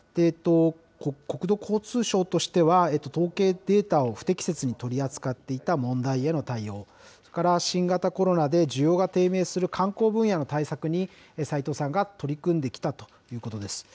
国土交通省としては、統計データを不適切に取り扱っていた問題への対応、それから新型コロナで需要が低迷する観光分野の対策に斉藤さんが取り組んできたということです。